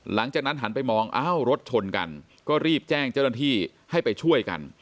หลังจากนั้นหันไปมองอ้าวรถชนกันก็รีบแจ้งเจ้าหน้าที่ให้ไปช่วยกัน